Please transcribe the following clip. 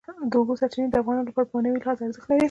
د اوبو سرچینې د افغانانو لپاره په معنوي لحاظ ارزښت لري.